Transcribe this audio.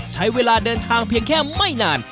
ใช้เวลาเดินทางเพียงแค่ไม่นาน